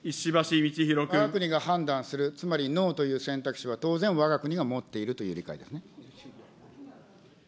わが国が判断する、つまりノーという選択肢は当然わが国が持っているという理解です